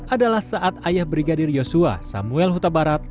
adalah saat ayah brigadir yosua samuel huta barat